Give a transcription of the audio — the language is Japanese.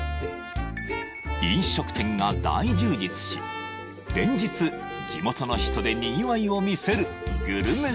飲食店が大充実し連日地元の人でにぎわいを見せるグルメ